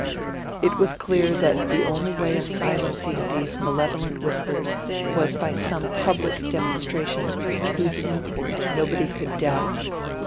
It was clear that the only way of silencing these malevolent whispers was by some public demonstration whose import nobody could doubt.